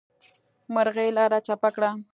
مرغۍ لاره چپه کړه.